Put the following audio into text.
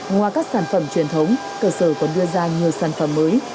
ngoài các sản phẩm truyền thống cơ sở còn đưa ra nhiều sản phẩm mới